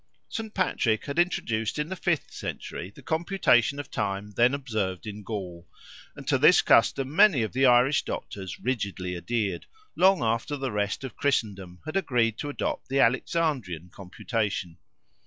St. Patrick had introduced in the fifth century the computation of time then observed in Gaul, and to this custom many of the Irish doctors rigidly adhered, long after the rest of Christendom had agreed to adopt the Alexandrian computation.